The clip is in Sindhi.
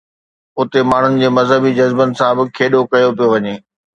اتي ماڻهن جي مذهبي جذبن سان به کيڏو ڪيو پيو وڃي.